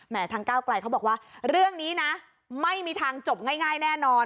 ทางก้าวไกลเขาบอกว่าเรื่องนี้นะไม่มีทางจบง่ายแน่นอน